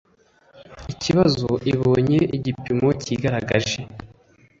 ikibazo ibonye igipimo kigaragaje